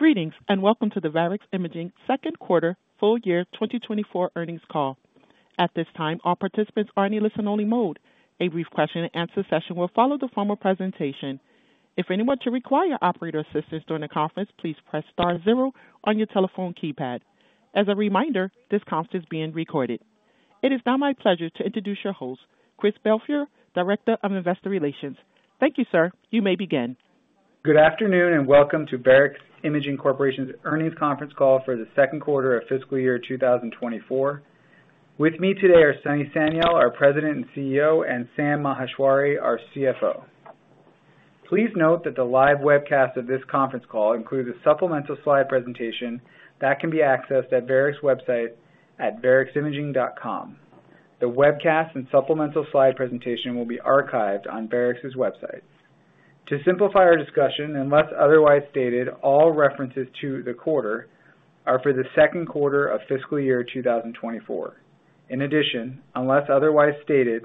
Greetings and welcome to the Varex Imaging Q2 Full Year 2024 Earnings Call. At this time, all participants are in a listen-only mode. A brief question-and-answer session will follow the formal presentation. If anyone should require operator assistance during the conference, please press star 0 on your telephone keypad. As a reminder, this conference is being recorded. It is now my pleasure to introduce your host, Chris Belfiore, Director of Investor Relations. Thank you, sir. You may begin. Good afternoon and welcome to Varex Imaging Corporation's Earnings Conference Call for Q2 of fiscal year 2024. With me today are Sunny Sanyal, our President and CEO, and Sam Maheshwari, our CFO. Please note that the live webcast of this conference call includes a supplemental slide presentation that can be accessed at Varex's website at vareximaging.com. The webcast and supplemental slide presentation will be archived on Varex's website. To simplify our discussion, unless otherwise stated, all references to the quarter are for Q2 of fiscal year 2024. In addition, unless otherwise stated,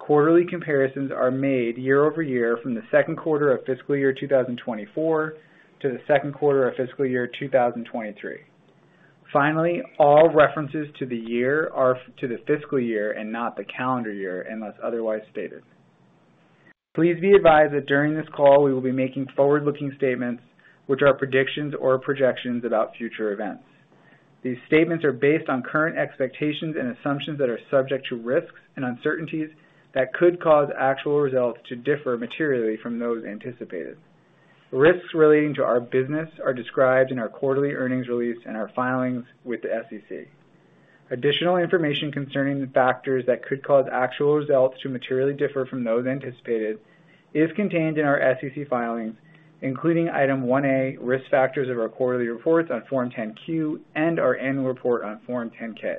quarterly comparisons are made year-over-year from Q2 of fiscal year 2024 to Q2 of fiscal year 2023. Finally, all references to the year are to the fiscal year and not the calendar year unless otherwise stated. Please be advised that during this call we will be making forward-looking statements, which are predictions or projections about future events. These statements are based on current expectations and assumptions that are subject to risks and uncertainties that could cause actual results to differ materially from those anticipated. Risks relating to our business are described in our quarterly earnings release and our filings with the SEC. Additional information concerning the factors that could cause actual results to materially differ from those anticipated is contained in our SEC filings, including Item 1A, Risk Factors of our quarterly reports on Form 10-Q, and our annual report on Form 10-K.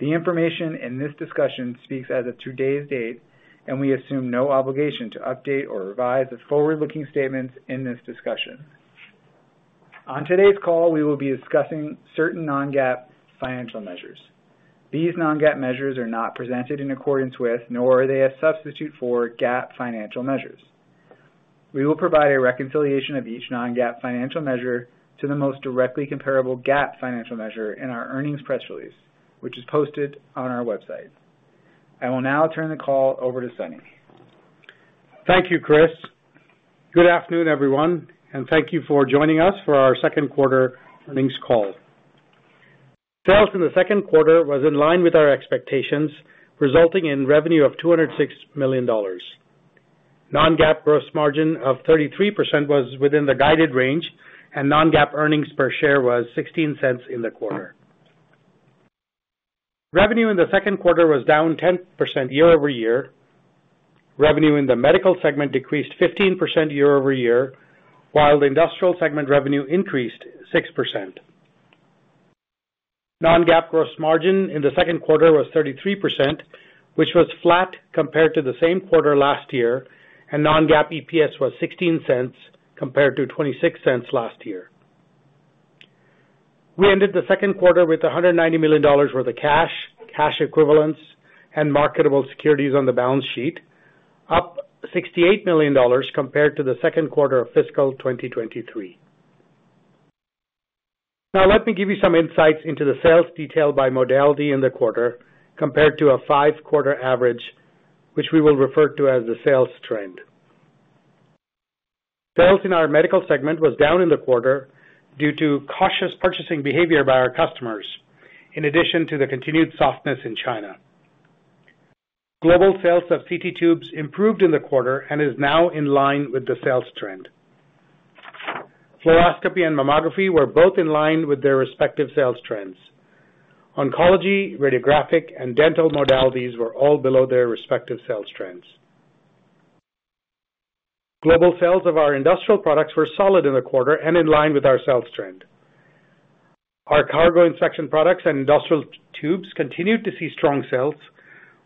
The information in this discussion speaks as of today's date, and we assume no obligation to update or revise the forward-looking statements in this discussion. On today's call, we will be discussing certain non-GAAP financial measures. These non-GAAP measures are not presented in accordance with, nor are they a substitute for, GAAP financial measures. We will provide a reconciliation of each non-GAAP financial measure to the most directly comparable GAAP financial measure in our earnings press release, which is posted on our website. I will now turn the call over to Sunny. Thank you, Chris. Good afternoon, everyone, and thank you for joining us for our Q2 earnings call. Sales in Q2 were in line with our expectations, resulting in revenue of $206 million. Non-GAAP gross margin of 33% was within the guided range, and non-GAAP earnings per share was $0.16 in the quarter. Revenue in Q2 was down 10% year-over-year. Revenue in the medical segment decreased 15% year over year, while the industrial segment revenue increased 6%. Non-GAAP gross margin in Q2 was 33%, which was flat compared to the same quarter last year, and non-GAAP EPS was $0.16 compared to $0.26 last year. We ended Q2 with $190 million worth of cash, cash equivalents, and marketable securities on the balance sheet, up $68 million compared to Q2 of Fiscal 2023. Now, let me give you some insights into the sales detailed by modality in the quarter compared to a five-quarter average, which we will refer to as the sales trend. Sales in our medical segment was down in the quarter due to cautious purchasing behavior by our customers, in addition to the continued softness in China. Global sales of CT tubes improved in the quarter and is now in line with the sales trend. Fluoroscopy and mammography were both in line with their respective sales trends. Oncology, radiographic, and dental modalities were all below their respective sales trends. Global sales of our industrial products were solid in the quarter and in line with our sales trend. Our cargo inspection products and industrial tubes continued to see strong sales,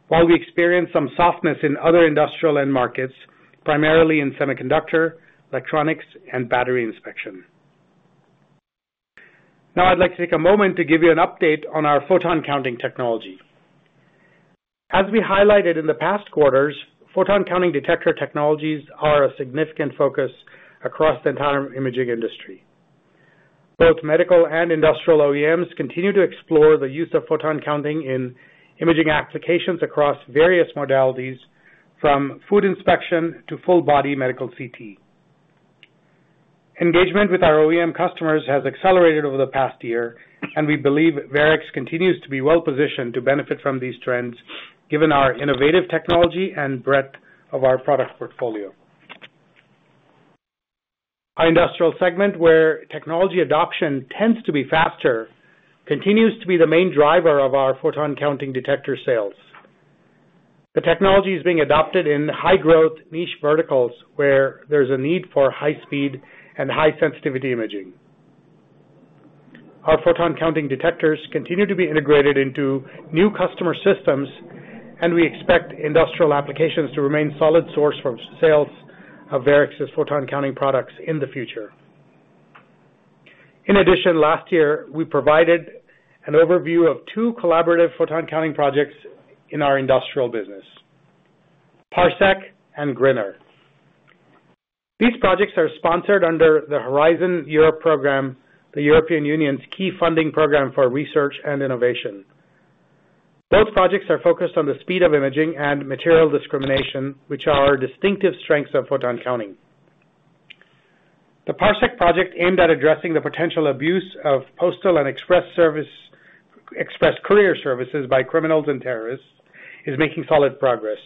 while we experienced some softness in other industrial end markets, primarily in semiconductor, electronics, and battery inspection. Now, I'd like to take a moment to give you an update on our photon counting technology. As we highlighted in the past quarters, photon counting detector technologies are a significant focus across the entire imaging industry. Both medical and industrial OEMs continue to explore the use of photon counting in imaging applications across various modalities, from food inspection to full-body medical CT. Engagement with our OEM customers has accelerated over the past year, and we believe Varex continues to be well-positioned to benefit from these trends, given our innovative technology and breadth of our product portfolio. Our industrial segment, where technology adoption tends to be faster, continues to be the main driver of our photon counting detector sales. The technology is being adopted in high-growth niche verticals where there's a need for high-speed and high-sensitivity imaging. Our photon counting detectors continue to be integrated into new customer systems, and we expect industrial applications to remain a solid source for sales of Varex's photon counting products in the future. In addition, last year we provided an overview of two collaborative photon counting projects in our industrial business: Parsec and GRINNA. These projects are sponsored under the Horizon Europe program, the European Union's key funding program for research and innovation. Both projects are focused on the speed of imaging and material discrimination, which are distinctive strengths of photon counting. The Parsec project, aimed at addressing the potential abuse of postal and express courier services by criminals and terrorists, is making solid progress.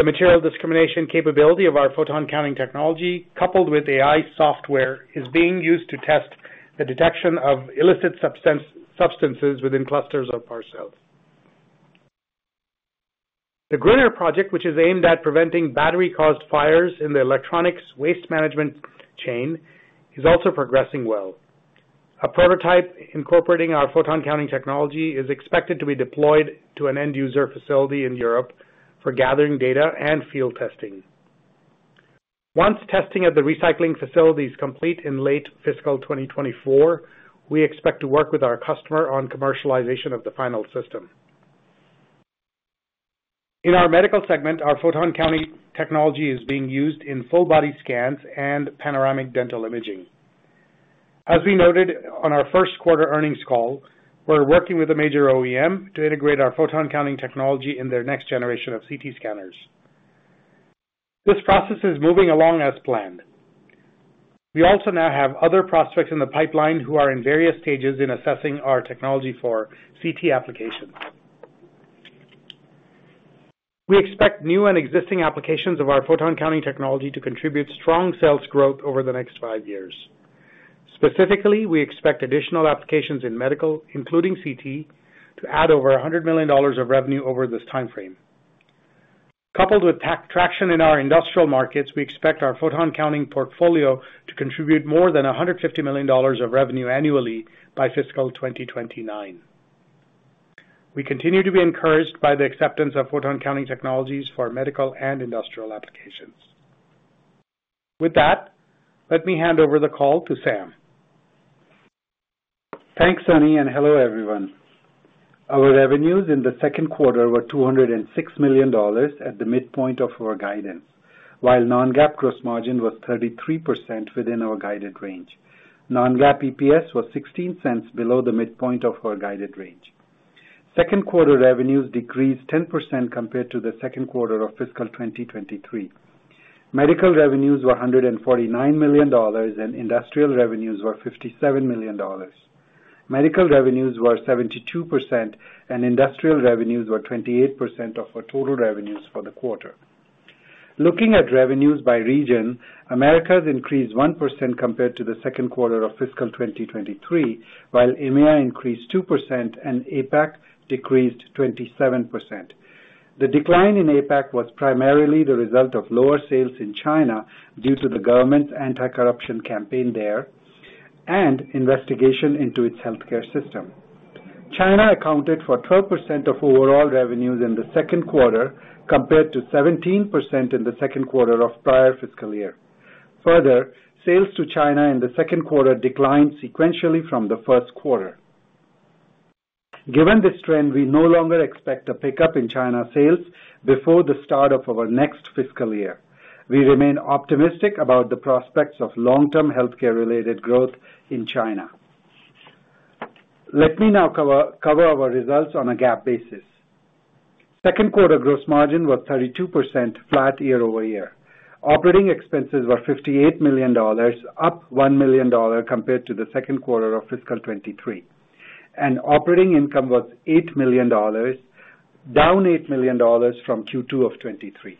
The material discrimination capability of our photon counting technology, coupled with AI software, is being used to test the detection of illicit substances within clusters of parcels. The GRINN project, which is aimed at preventing battery-caused fires in the electronics waste management chain, is also progressing well. A prototype incorporating our photon counting technology is expected to be deployed to an end-user facility in Europe for gathering data and field testing. Once testing at the recycling facility is complete in late fiscal 2024, we expect to work with our customer on commercialization of the final system. In our medical segment, our photon counting technology is being used in full-body scans and panoramic dental imaging. As we noted on our Q1 earnings call, we're working with a major OEM to integrate our photon counting technology in their next generation of CT scanners. This process is moving along as planned. We also now have other prospects in the pipeline who are in various stages in assessing our technology for CT application. We expect new and existing applications of our photon counting technology to contribute strong sales growth over the next five years. Specifically, we expect additional applications in medical, including CT, to add over $100 million of revenue over this timeframe. Coupled with traction in our industrial markets, we expect our photon counting portfolio to contribute more than $150 million of revenue annually by fiscal 2029. We continue to be encouraged by the acceptance of photon counting technologies for medical and industrial applications. With that, let me hand over the call to Sam. Thanks, Sunny, and hello everyone. Our revenues in Q2 were $206 million at the midpoint of our guided, while Non-GAAP gross margin was 33% within our guided range. Non-GAAP EPS was $0.16 below the midpoint of our guided range. Q2 revenues decreased 10% compared to Q2 of Fiscal 2023. Medical revenues were $149 million, and industrial revenues were $57 million. Medical revenues were 72%, and industrial revenues were 28% of our total revenues for the quarter. Looking at revenues by region, Americas increased 1% compared to Q2 of fiscal 2023, while EMEA increased 2% and APAC decreased 27%. The decline in APAC was primarily the result of lower sales in China due to the government's anti-corruption campaign there and investigation into its healthcare system. China accounted for 12% of overall revenues in Q2 compared to 17% in Q2 of prior fiscal year. Further, sales to China in Q2 declined sequentially from Q1. Given this trend, we no longer expect a pickup in China sales before the start of our next fiscal year. We remain optimistic about the prospects of long-term healthcare-related growth in China. Let me now cover our results on a GAAP basis. Q2 gross margin was 32% flat year-over-year. Operating expenses were $58 million, up $1 million compared to Q2 of fiscal 2023, and operating income was $8 million, down $8 million from Q2 of 2023.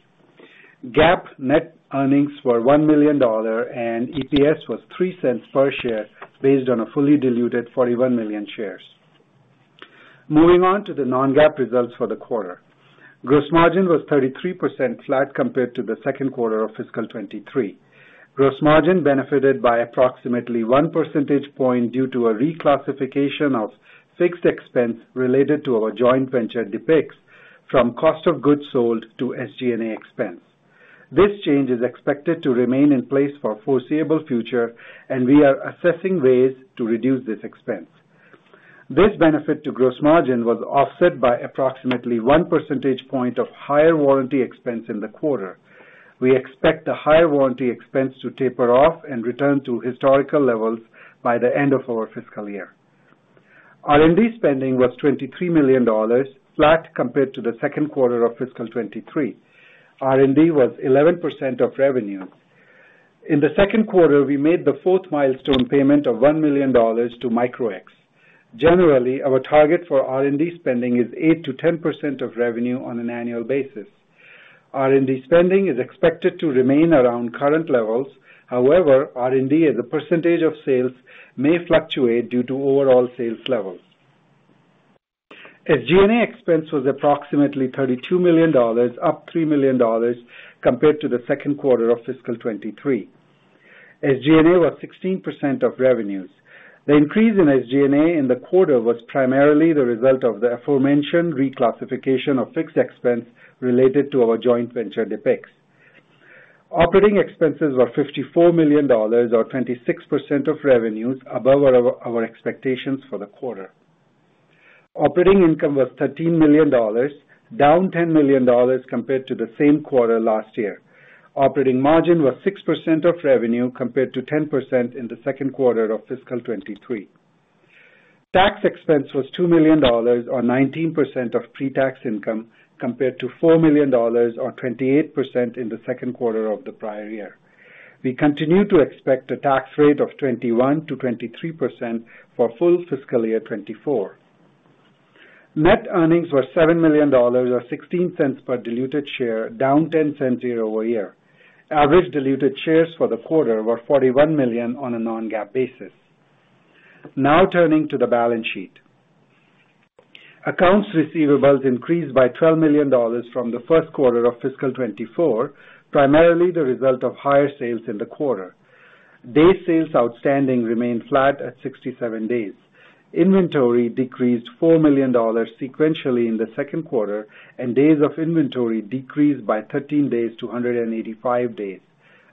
GAAP net earnings were $1 million, and EPS was $0.03 per share based on a fully diluted 41 million shares. Moving on to the non-GAAP results for the quarter. Gross margin was 33% flat compared to Q2 of fiscal 2023. Gross margin benefited by approximately 1% point due to a reclassification of fixed expense related to our joint venture DPIX from cost of goods sold to SG&A expense. This change is expected to remain in place for a foreseeable future, and we are assessing ways to reduce this expense. This benefit to gross margin was offset by approximately 1% point of higher warranty expense in the quarter. We expect the higher warranty expense to taper off and return to historical levels by the end of our fiscal year. R&D spending was $23 million, flat compared to Q2 of fiscal 2023. R&D was 11% of revenue. In Q2, we made the fourth milestone payment of $1 million to Micro-X. Generally, our target for R&D spending is 8% to 10% of revenue on an annual basis. R&D spending is expected to remain around current levels, however, R&D as a percentage of sales may fluctuate due to overall sales levels. SG&A expense was approximately $32 million, up $3 million compared to Q2 of fiscal 2023. SG&A was 16% of revenue. The increase in SG&A in the quarter was primarily the result of the aforementioned reclassification of fixed expense related to our joint venture dpiX. Operating expenses were $54 million, or 26% of revenue, above our expectations for the quarter. Operating income was $13 million, down $10 million compared to the same quarter last year. Operating margin was 6% of revenue compared to 10% in Q2 of fiscal 2023. Tax expense was $2 million, or 19% of pre-tax income, compared to $4 million, or 28% in Q2 of the prior year. We continue to expect a tax rate of 21% to 23% for full fiscal year 2024. Net earnings were $7 million, or 16 cents per diluted share, down $0.10 year-over-year. Average diluted shares for the quarter were 41 million on a non-GAAP basis. Now turning to the balance sheet. Accounts receivables increased by $12 million from Q1 of fiscal 2024, primarily the result of higher sales in the quarter. Days' sales outstanding remained flat at 67 days. Inventory decreased $4 million sequentially in Q2, and days of inventory decreased by 13 days to 185 days.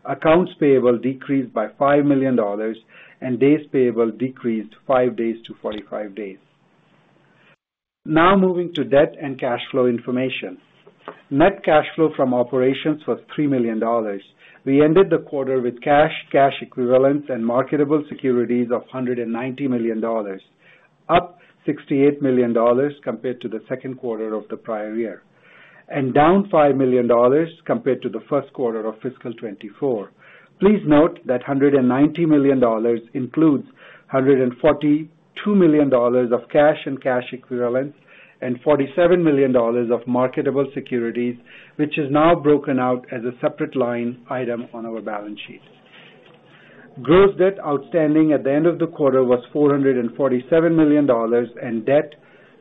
Accounts payable decreased by $5 million, and days' payable decreased five days to 45 days. Now moving to debt and cash flow information. Net cash flow from operations was $3 million. We ended the quarter with cash, cash equivalents, and marketable securities of $190 million, up $68 million compared to Q2 of the prior year, and down $5 million compared to Q1 of fiscal 2024. Please note that $190 million includes $142 million of cash and cash equivalents, and $47 million of marketable securities, which is now broken out as a separate line item on our balance sheet. Gross debt outstanding at the end of the quarter was $447 million, and debt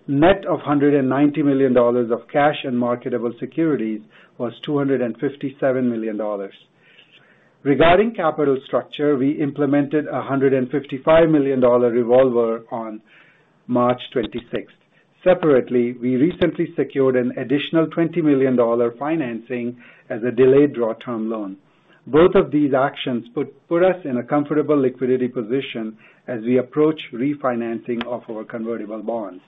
net of $190 million of cash and marketable securities was $257 million. Regarding capital structure, we implemented a $155 million revolver on March 26. Separately, we recently secured an additional $20 million financing as a delayed draw term loan. Both of these actions put us in a comfortable liquidity position as we approach refinancing of our convertible bonds.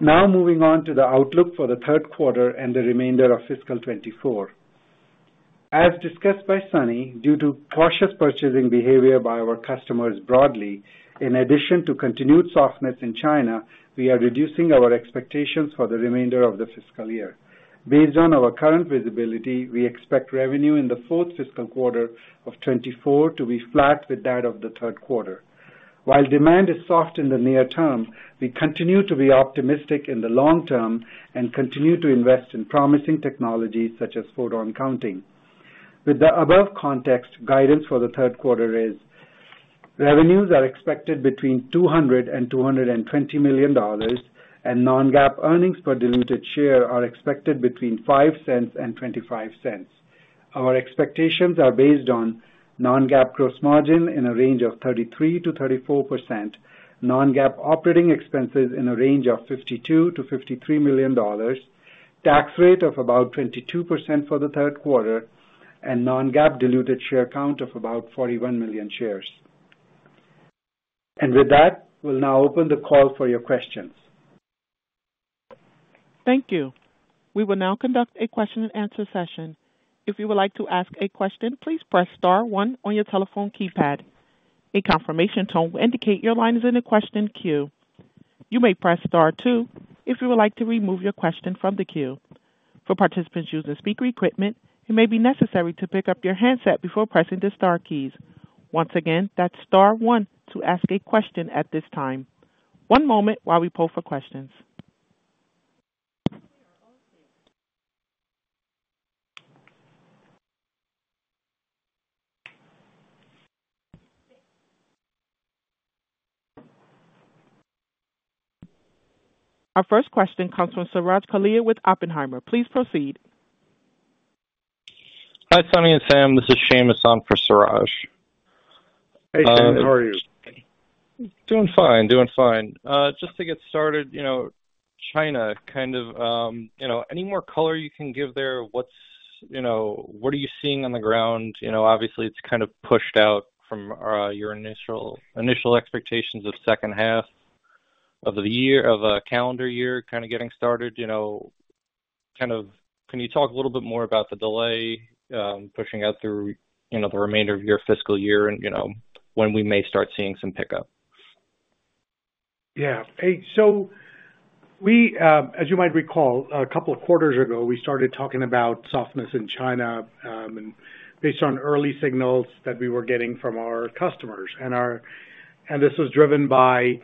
Now moving on to the outlook for Q3 and the remainder of fiscal 2024. As discussed by Sunny, due to cautious purchasing behavior by our customers broadly, in addition to continued softness in China, we are reducing our expectations for the remainder of the fiscal year. Based on our current visibility, we expect revenue in the fourth fiscal quarter of 2024 to be flat with that of Q3. While demand is soft in the near term, we continue to be optimistic in the long term and continue to invest in promising technology such as photon counting. With the above context, guidance for Q3 is: Revenues are expected between $200 to 220 million, and non-GAAP earnings per diluted share are expected between $0.05 to 0.25. Our expectations are based on: non-GAAP gross margin in a range of 33% to 34%, non-GAAP operating expenses in a range of $52 to 53 million, tax rate of about 22% for Q3, and non-GAAP diluted share count of about 41 million shares. With that, we'll now open the call for your questions. Thank you. We will now conduct a question-and-answer session. If you would like to ask a question, please press star one on your telephone keypad. A confirmation tone will indicate your line is in the question queue. You may press star two if you would like to remove your question from the queue. For participants using speaker equipment, it may be necessary to pick up your handset before pressing the star keys. Once again, that's star one1 to ask a question at this time. One moment while we pull for questions. Our first question comes from Suraj Kalia with Oppenheimer. Please proceed. Hi Sunny and Sam, this is Sam for Suraj. Hey Sam, how are you? Doing fine, doing fine. Just to get started, you know, China kind of, you know, any more color you can give there, what's, you know, what are you seeing on the ground? You know, obviously it's kind of pushed out from your initial, initial expectations of second half of the year, of a calendar year kind of getting started. You know, kind of can you talk a little bit more about the delay, pushing out through, you know, the remainder of your fiscal year and, you know, when we may start seeing some pickup? We, as you might recall, a couple of quarters ago we started talking about softness in China, and based on early signals that we were getting from our customers. This was driven by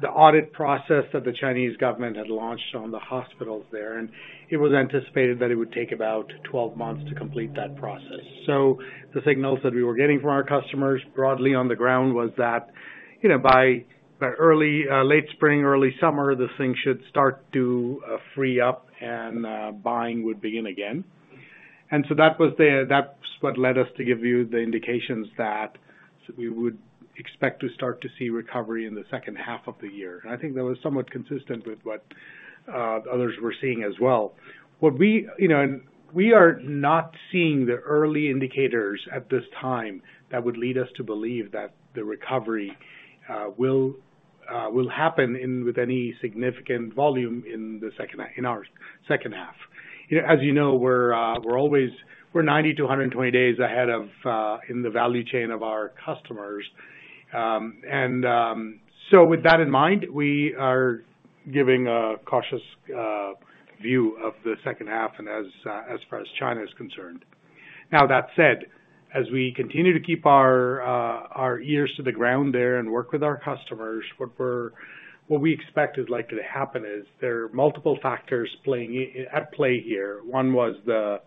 the audit process that the Chinese government had launched on the hospitals there, and it was anticipated that it would take about 12 months to complete that process. The signals that we were getting from our customers broadly on the ground was that, you know, by late spring, early summer, this thing should start to free up and buying would begin again. That was that's what led us to give you the indications that we would expect to start to see recovery in the second half of the year. I think that was somewhat consistent with what others were seeing as well. What we, you know, and we are not seeing the early indicators at this time that would lead us to believe that the recovery will happen in with any significant volume in the second half in our second half. You know, as you know, we're always 90 to 120 days ahead of in the value chain of our customers. With that in mind, we are giving a cautious view of the second half and as far as China is concerned. Now, that said, as we continue to keep our ears to the ground there and work with our customers, what we expect is likely to happen is there are multiple factors at play here. One was the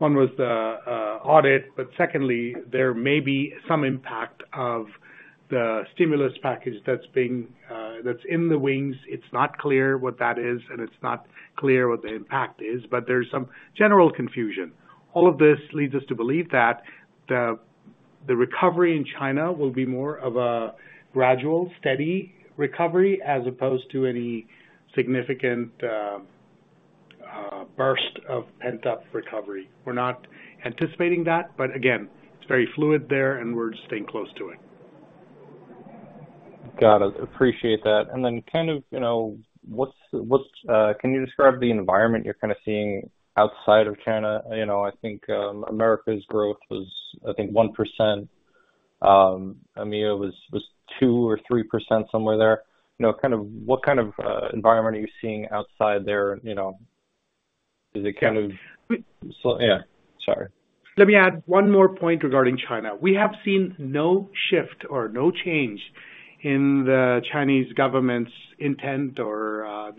audit, but secondly, there may be some impact of the stimulus package that's being in the wings. It's not clear what that is, and it's not clear what the impact is, but there's some general confusion. All of this leads us to believe that the recovery in China will be more of a gradual, steady recovery as opposed to any significant, burst of pent-up recovery. We're not anticipating that, but again, it's very fluid there, and we're staying close to it. Got it. Appreciate that. Kind of, you know, what's can you describe the environment you're kind of seeing outside of China? You know, I think, Americas' growth was, I think, 1%. EMEA was 2% or 3% somewhere there. You know, kind of what kind of environment are you seeing outside there? You know, is it kind of so yeah, sorry. Let me add one more point regarding China. We have seen no shift or no change in the Chinese government's intent or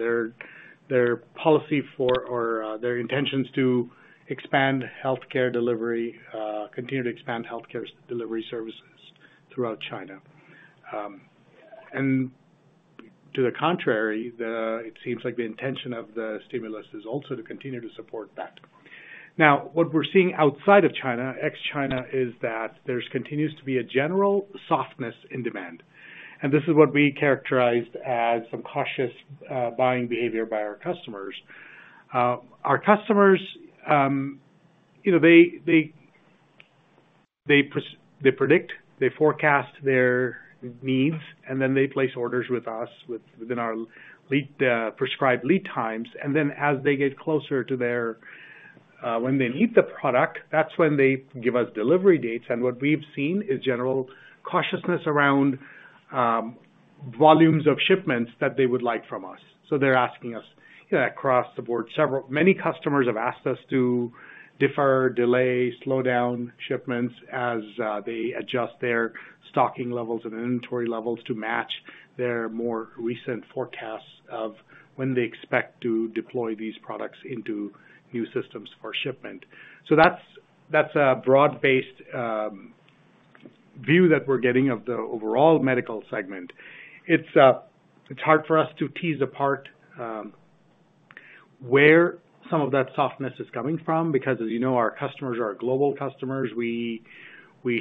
their policy or their intentions to expand healthcare delivery, continue to expand healthcare delivery services throughout China. To the contrary, it seems like the intention of the stimulus is also to continue to support that. Now, what we're seeing outside of China, ex-China, is that there continues to be a general softness in demand. And this is what we characterized as some cautious buying behavior by our customers. Our customers, you know, they predict, they forecast their needs, and then they place orders with us within our prescribed lead times. As they get closer to when they need the product, that's when they give us delivery dates. What we've seen is general cautiousness around volumes of shipments that they would like from us. They're asking us, you know, across the board, several many customers have asked us to defer, delay, slow down shipments as they adjust their stocking levels and inventory levels to match their more recent forecasts of when they expect to deploy these products into new systems for shipment. That's a broad-based view that we're getting of the overall medical segment. It's hard for us to tease apart where some of that softness is coming from because, as you know, our customers are global customers. We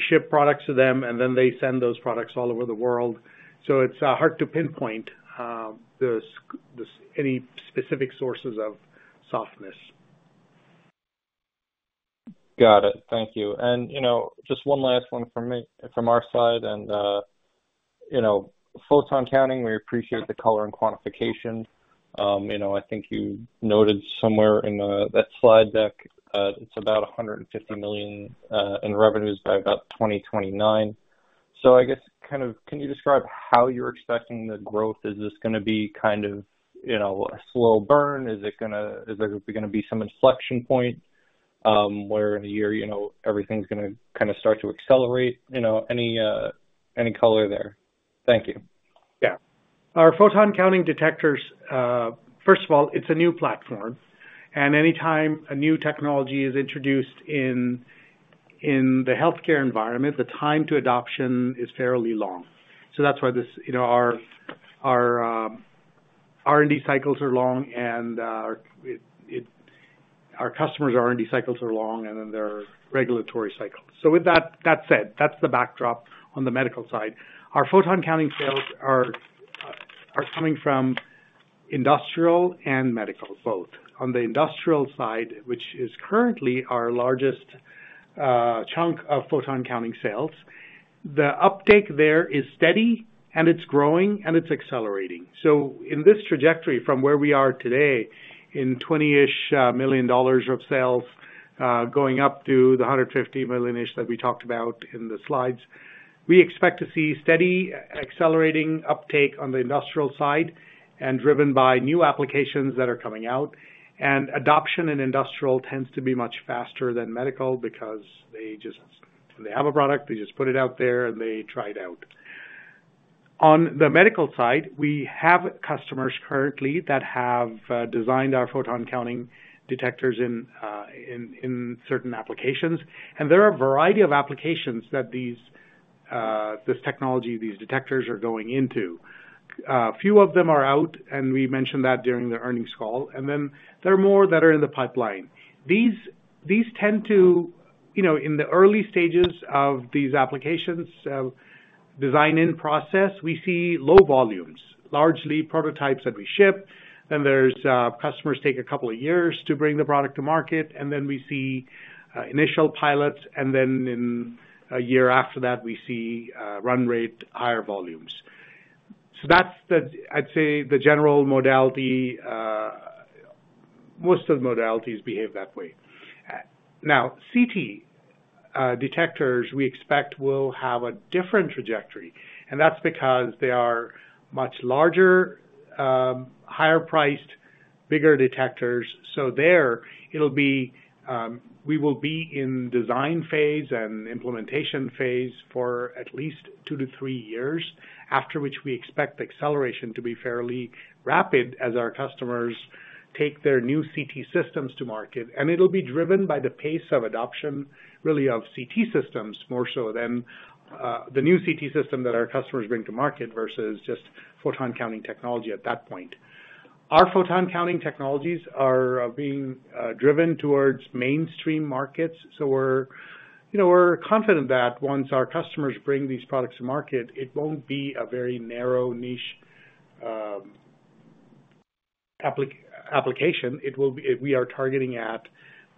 ship products to them, and then they send those products all over the world. So it's hard to pinpoint any specific sources of softness. Got it. Thank you. You know, just one last one from me from our side and, you know, Photon Counting, we appreciate the color and quantification. You know, I think you noted somewhere in that slide deck, it's about $150 million in revenues by about 2029. I guess kind of can you describe how you're expecting the growth? Is this going to be kind of, you know, a slow burn? Is it going to, is there going to be some inflection point, where in the year, you know, everything's going to kind of start to accelerate? You know, any, any color there? Thank you. Our photon counting detectors, first of all, it's a new platform. Anytime a new technology is introduced in the healthcare environment, the time to adoption is fairly long. That's why this, you know, our R&D cycles are long and our customers' R&D cycles are long and then their regulatory cycles. With that said, that's the backdrop on the medical side. Our photon counting sales are coming from industrial and medical, both. On the industrial side, which is currently our largest chunk of photon counting sales, the uptake there is steady and it's growing and it's accelerating. In this trajectory from where we are today in $20-ish million of sales, going up to the $150 million-ish that we talked about in the slides, we expect to see steady, accelerating uptake on the industrial side and driven by new applications that are coming out. Adoption in industrial tends to be much faster than medical because they just when they have a product, they just put it out there and they try it out. On the medical side, we have customers currently that have designed our photon counting detectors in certain applications. There are a variety of applications that these, this technology, these detectors are going into. A few of them are out, and we mentioned that during the earnings call. And then there are more that are in the pipeline. These tend to, you know, in the early stages of these applications, design-in process, we see low volumes, largely prototypes that we ship. Then, customers take a couple of years to bring the product to market. And then we see initial pilots. In a year after that, we see run rate, higher volumes. That's the, I'd say, the general modality. Most of the modalities behave that way. Now, CT detectors, we expect, will have a different trajectory. That's because they are much larger, higher-priced, bigger detectors. There, it'll be, we will be in design phase and implementation phase for at least two to three years, after which we expect acceleration to be fairly rapid as our customers take their new CT systems to market. It'll be driven by the pace of adoption, really, of CT systems more so than the new CT system that our customers bring to market versus just photon counting technology at that point. Our photon counting technologies are being driven towards mainstream markets. We're, you know, we're confident that once our customers bring these products to market, it won't be a very narrow niche application. It will be we are targeting at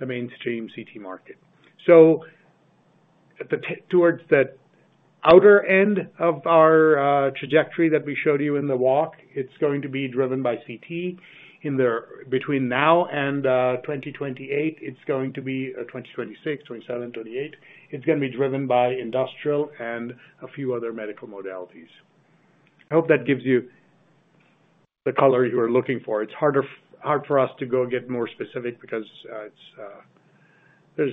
the mainstream CT market. Towards that outer end of our trajectory that we showed you in the walk, it's going to be driven by CT. In between now and 2028, it's going to be 2026, 2027, 2028. It's going to be driven by industrial and a few other medical modalities. I hope that gives you the color you were looking for. It's harder for us to get more specific because there's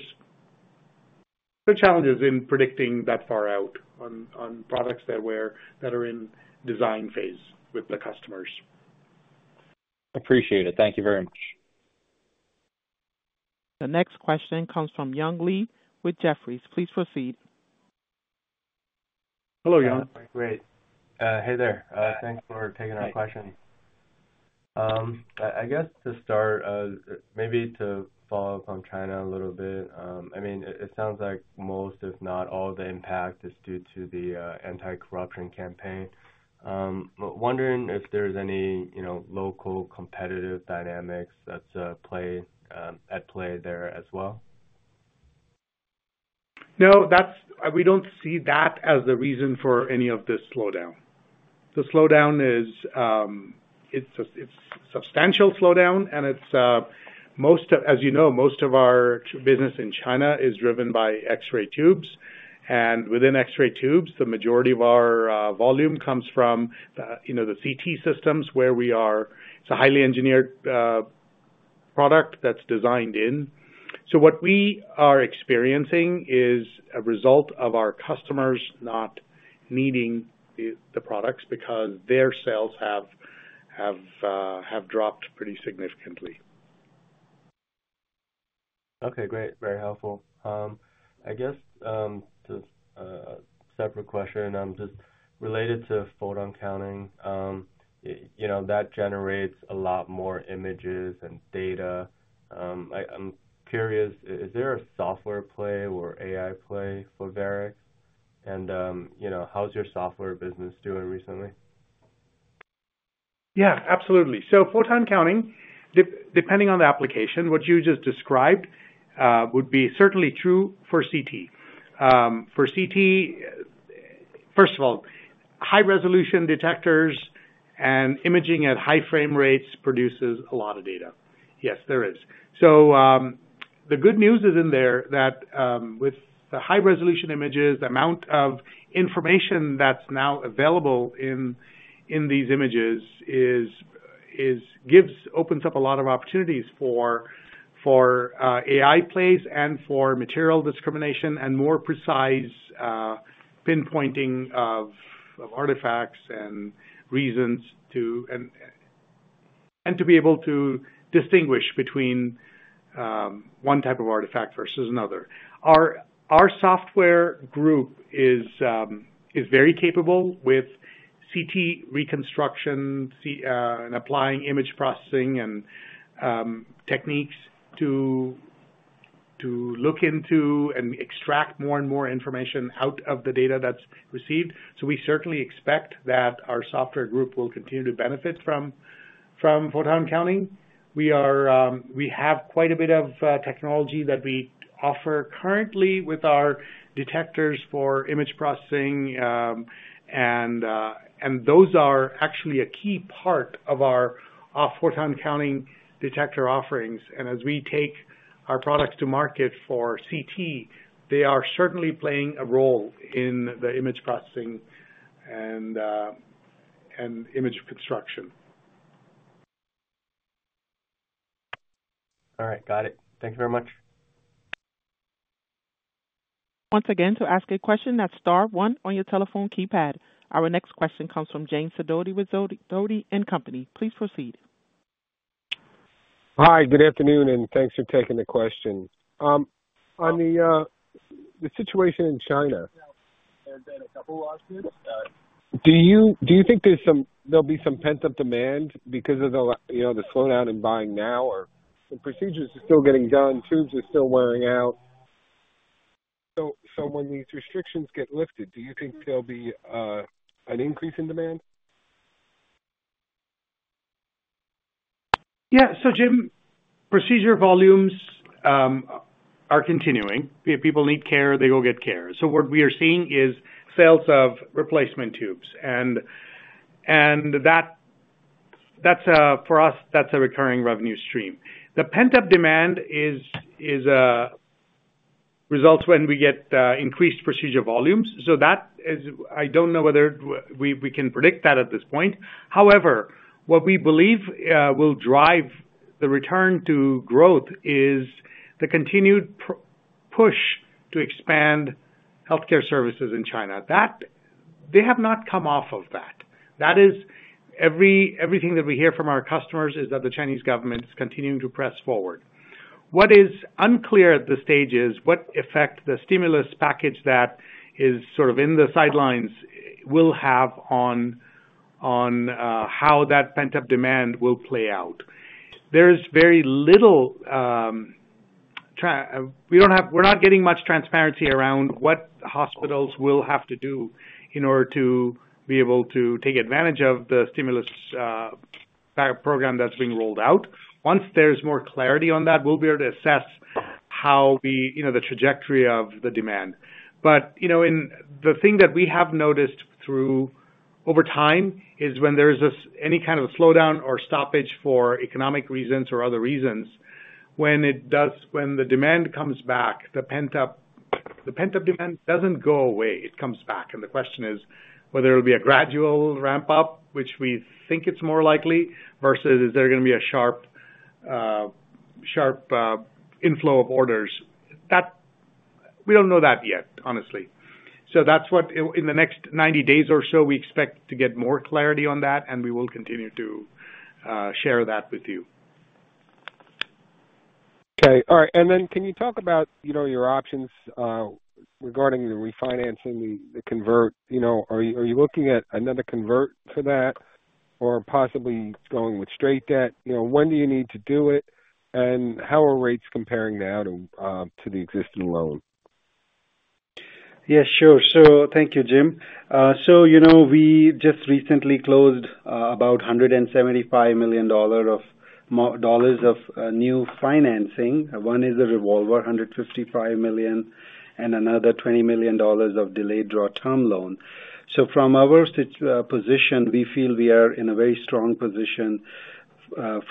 no challenges in predicting that far out on products that are in design phase with the customers. Appreciate it. Thank you very much. The next question comes from Young Li with Jefferies. Please proceed. Hello, Yong. Great. Hey there. Thanks for taking our question. I guess to start, maybe to follow up on China a little bit. I mean, it sounds like most, if not all, the impact is due to the anti-corruption campaign. Wondering if there's any, you know, local competitive dynamics that's playing at play there as well. No, that's we don't see that as the reason for any of this slowdown. The slowdown is, it's a substantial slowdown, and it's, most of, as you know, most of our business in China is driven by X-ray tubes. Within X-ray tubes, the majority of our volume comes from the, you know, the CT systems where we are. It's a highly engineered product that's designed in. What we are experiencing is a result of our customers not needing the products because their sales have dropped pretty significantly. Okay, great. Very helpful. I guess, just, separate question. I'm just related to Photon Counting. You know, that generates a lot more images and data. I'm curious, is there a software play or AI play for Varex? You know, how's your software business doing recently? Photon counting, depending on the application, what you just described, would be certainly true for CT. For CT, first of all, high-resolution detectors and imaging at high frame rates produces a lot of data. Yes, there is. The good news is in there that, with the high-resolution images, the amount of information that's now available in, in these images is, is gives opens up a lot of opportunities for, for, AI plays and for material discrimination and more precise, pinpointing of, of artifacts and reasons to and, and to be able to distinguish between, one type of artifact versus another. Our, our software group is, is very capable with CT reconstruction, and applying image processing and, techniques to, to look into and extract more and more information out of the data that's received. We certainly expect that our software group will continue to benefit from photon counting. We have quite a bit of technology that we offer currently with our detectors for image processing, and those are actually a key part of our photon counting detector offerings. As we take our products to market for CT, they are certainly playing a role in the image processing and image construction. All right. Got it. Thanks very much. Once again, to ask a question, that's star one on your telephone keypad. Our next question comes from Jim Sidoti with Sidoti & Company. Please proceed. Hi, good afternoon, and thanks for taking the question. On the situation in China. There's been a couple of losses. Do you think there'll be some pent-up demand because of the, you know, the slowdown in buying now, or? Procedures are still getting done. Tubes are still wearing out. When these restrictions get lifted, do you think there'll be an increase in demand? Jane, procedure volumes are continuing. If people need care, they go get care. What we are seeing is sales of replacement tubes. That, that's for us, that's a recurring revenue stream. The pent-up demand is results when we get increased procedure volumes. That is, I don't know whether we can predict that at this point. However, what we believe will drive the return to growth is the continued push to expand healthcare services in China. That they have not come off of that. That is, everything that we hear from our customers is that the Chinese government's continuing to press forward. What is unclear at this stage is what effect the stimulus package that is sort of in the sidelines will have on how that pent-up demand will play out. There's very little. We're not getting much transparency around what hospitals will have to do in order to be able to take advantage of the stimulus program that's being rolled out. Once there's more clarity on that, we'll be able to assess how we, you know, the trajectory of the demand. You know, one thing that we have noticed over time is when there is any kind of a slowdown or stoppage for economic reasons or other reasons, when the demand comes back, the pent-up demand doesn't go away. It comes back. The question is whether it'll be a gradual ramp-up, which we think it's more likely, versus is there going to be a sharp inflow of orders. That we don't know yet, honestly. That's what in the next 90 days or so, we expect to get more clarity on that, and we will continue to share that with you. Okay. All right. Can you talk about, you know, your options regarding the refinancing, the convert? You know, are you looking at another convert for that or possibly going with straight debt? You know, when do you need to do it, and how are rates comparing now to the existing loan? Yes, sure. Thank you, Jim. You know, we just recently closed about $175 million of new financing. One is a revolver, $155 million, and another $20 million of delayed draw term loan. From our current position, we feel we are in a very strong position,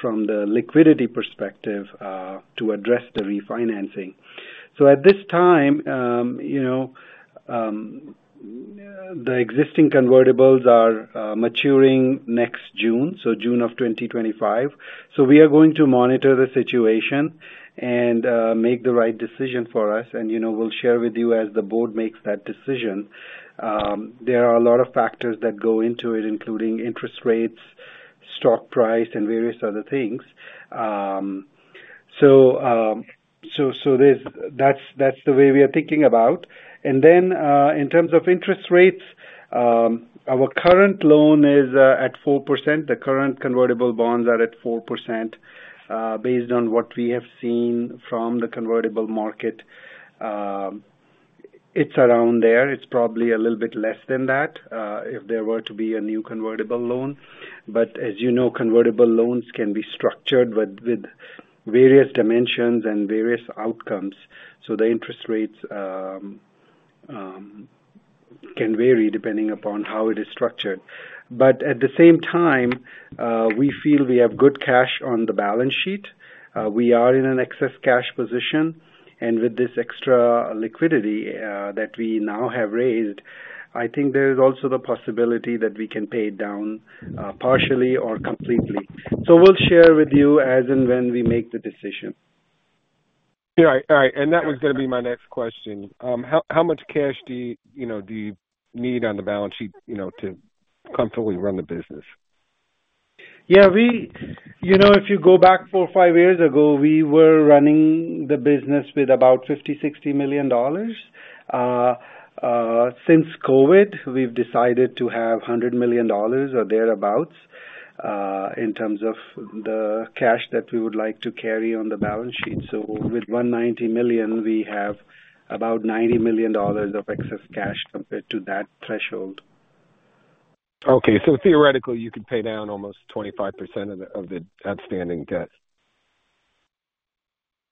from the liquidity perspective, to address the refinancing. At this time, you know, the existing convertibles are maturing next June, so June of 2025. We are going to monitor the situation and make the right decision for us. You know, we'll share with you as the board makes that decision. There are a lot of factors that go into it, including interest rates, stock price, and various other things. So that's the way we are thinking about. And then, in terms of interest rates, our current loan is at 4%. The current convertible bonds are at 4%, based on what we have seen from the convertible market. It's around there. It's probably a little bit less than that, if there were to be a new convertible loan. But as you know, convertible loans can be structured with, with various dimensions and various outcomes. So the interest rates can vary depending upon how it is structured. At the same time, we feel we have good cash on the balance sheet. We are in an excess cash position. With this extra liquidity that we now have raised, I think there is also the possibility that we can pay it down, partially or completely. We'll share with you as and when we make the decision. All right. That was going to be my next question. How much cash do you, you know, do you need on the balance sheet, you know, to comfortably run the business? We, you know, if you go back four or five years ago, we were running the business with about $50 to 60 million. Since COVID, we've decided to have $100 million or thereabouts, in terms of the cash that we would like to carry on the balance sheet. With $190 million, we have about $90 million of excess cash compared to that threshold. Okay. Theoretically, you could pay down almost 25% of the outstanding debt.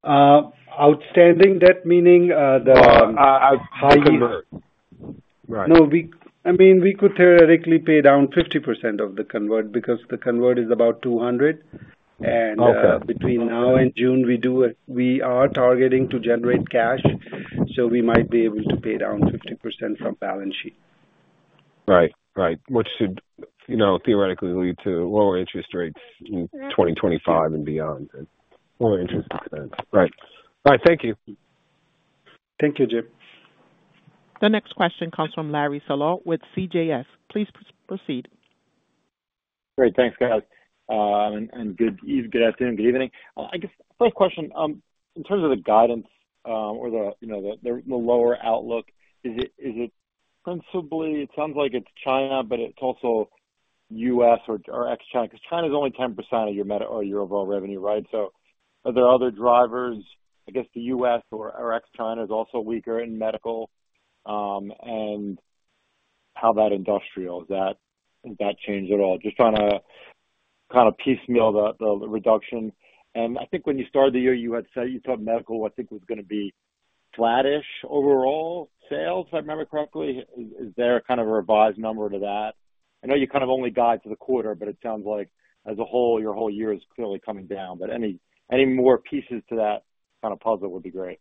Outstanding debt, meaning the high yield? Right. No, We could theoretically pay down 50% of the convert because the convert is about $200. Between now and June, we are targeting to generate cash, so we might be able to pay down 50% from balance sheet. Right. Right. Which should, you know, theoretically lead to lower interest rates in 2025 and beyond. Lower interest expense. Right. All right. Thank you. Thank you, Jim Sidoti. The next question comes from Larry Solow with CJS. Please proceed. Great. Thanks, guys. Good evening, good afternoon. Good evening. I guess first question, in terms of the guidance, or the, you know, the lower outlook, is it principally it sounds like it's China, but it's also US or ex-China? Because China's only 10% of your med or your overall revenue, right? Are there other drivers? I guess the US or ex-China is also weaker in medical, and how is that, industrial? Is that change at all? Just trying to kind of piecemeal the reduction. I think when you started the year, you had said you thought medical, I think, was going to be flattish overall sales, if I remember correctly. Is there kind of a revised number to that? I know you kind of only got to the quarter, but it sounds like as a whole, your whole year is clearly coming down. But any, any more pieces to that kind of puzzle would be great.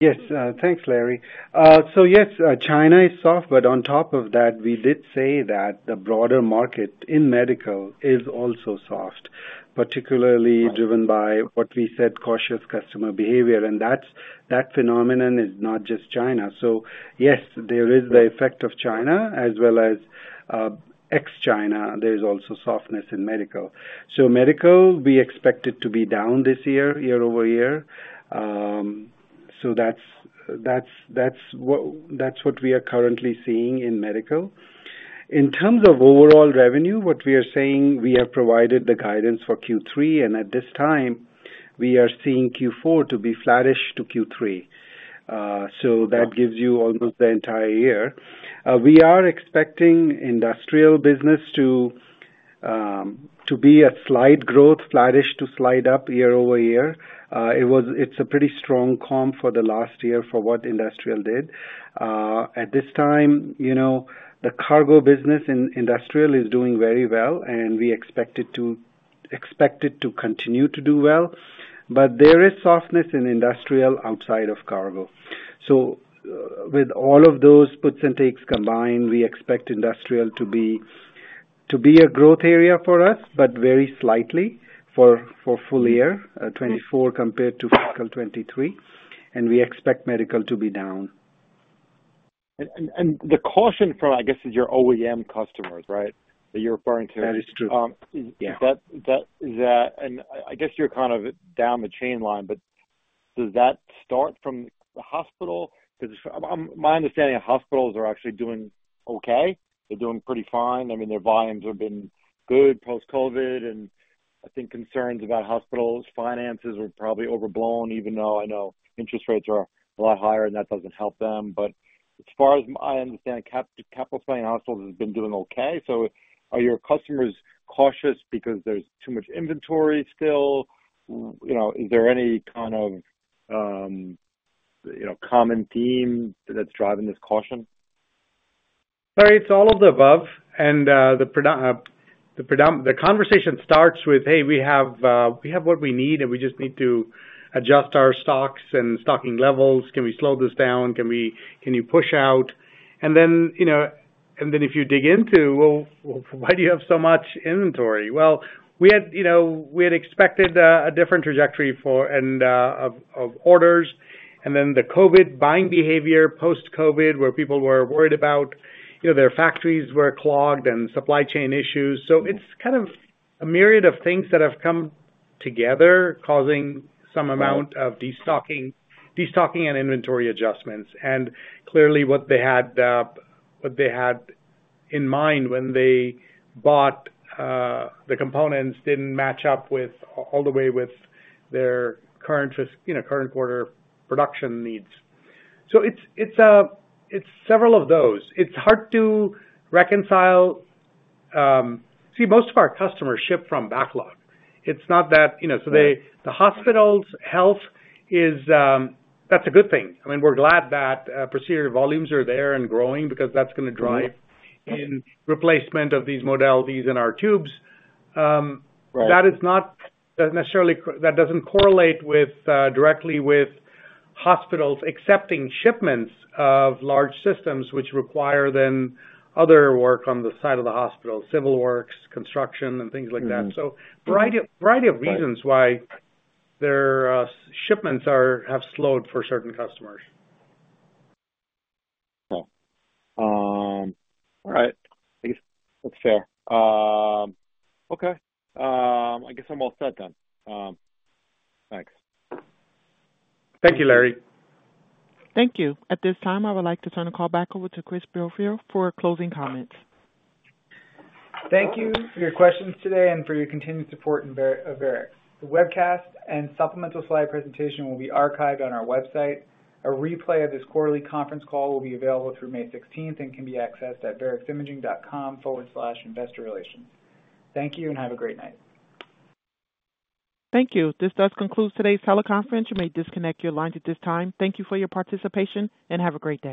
Yes. Thanks, Larry. Yes, China is soft. But on top of that, we did say that the broader market in medical is also soft, particularly driven by what we said, cautious customer behavior. And that's that phenomenon is not just China. So yes, there is the effect of China. As well as, ex-China, there's also softness in medical. So medical, we expect it to be down this year, year-over-year. That's what we are currently seeing in medical. In terms of overall revenue, what we are saying, we have provided the guidance for Q3. At this time, we are seeing Q4 to be flattish to Q3. That gives you almost the entire year. We are expecting industrial business to be a slight growth, flattish to slide up year-over-year. It was, it's a pretty strong comp for the last year for what industrial did. At this time, you know, the cargo business in industrial is doing very well, and we expect it to continue to do well. There is softness in industrial outside of cargo. With all of those puts and takes combined, we expect industrial to be a growth area for us, but very slightly for full year 2024 compared to fiscal 2023. We expect medical to be down. The caution for, I guess, is your OEM customers, right? That you're referring to. That is true. I guess you're kind of down the supply chain, but does that start from the hospital? Because my understanding, hospitals are actually doing okay. They're doing pretty fine. I mean, their volumes have been good post-COVID. I think concerns about hospitals' finances are probably overblown, even though I know interest rates are a lot higher, and that doesn't help them. As far as I understand, capital spending hospitals has been doing okay. So are your customers cautious because there's too much inventory still? You know, is there any kind of, you know, common theme that's driving this caution? All right. It's all of the above. The conversation starts with, "Hey, we have, we have what we need, and we just need to adjust our stocks and stocking levels. Can we slow this down? Can we, can you push out?" And then, you know, and then if you dig into, "Well, why do you have so much inventory?" Well, we had, you know, we had expected a different trajectory for, and of orders. The COVID buying behavior post-COVID, where people were worried about, you know, their factories were clogged and supply chain issues. So it's kind of a myriad of things that have come together, causing some amount of destocking and inventory adjustments. Clearly, what they had, what they had in mind when they bought, the components didn't match up with all the way with their current fiscal, you know, current quarter production needs. It's, it's, it's several of those. It's hard to reconcile, see, most of our customers ship from backlog. It's not that, you know so that the hospitals' health is, that's a good thing. We're glad that, procedure volumes are there and growing because that's going to drive in replacement of these modalities in our tubes. That is not necessarily that doesn't correlate with, directly with hospitals accepting shipments of large systems, which require then other work on the side of the hospital, civil works, construction, and things like that. Variety of variety of reasons why their, shipments have slowed for certain customers. Okay. All right. I guess that's fair. Okay. I guess I'm all set then. Thanks. Thank you, Larry. Thank you. At this time, I would like to turn the call back over to Chris Belfiore for closing comments. Thank you for your questions today, and for your continued support of Varex. The webcast and supplemental slide presentation will be archived on our website. A replay of this quarterly conference call will be available through 16 May and can be accessed at vareximaging.com/investorrelations. Thank you, and have a great night. Thank you. This does conclude today's teleconference. You may disconnect your lines at this time. Thank you for your participation, and have a great day.